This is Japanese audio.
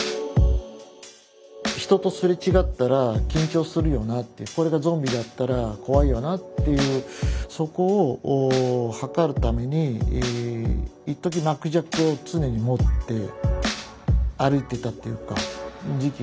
人とすれ違ったら緊張するよなっていうこれがゾンビだったら怖いよなっていうそこを測るためにいっとき巻き尺を常に持って歩いていたっていうか時期がありましたね。